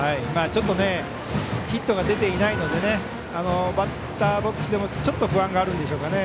ちょっとヒットが出ていないのでバッターボックスでもちょっと不安があるんでしょうね。